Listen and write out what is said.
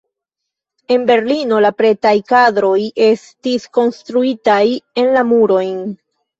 En Berlino la pretaj kadroj estis konstruitaj en la murojn.